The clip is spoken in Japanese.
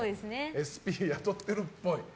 ＳＰ雇ってるっぽい。